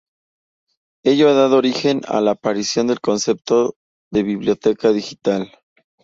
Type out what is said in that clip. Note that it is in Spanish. Ello ha dado origen a la aparición del concepto de biblioteca digital.